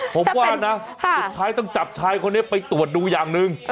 ผมว่านะสุดท้ายต้องจับชายคนนี้ไปตรวจดูอย่างหนึ่ง